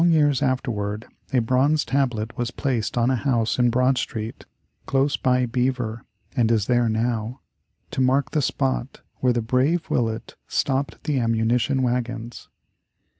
Long years afterward a bronze tablet was placed on a house in Broad Street close by Beaver (and is there now), to mark the spot where the brave Willett stopped the ammunition wagons.